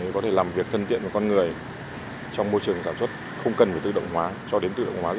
có thể làm việc thân thiện